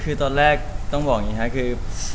คือตอนแรกต้องบอกอย่างนี้ค่ะคือ